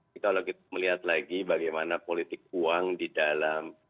kita lagi melihat lagi bagaimana politik uang di dalam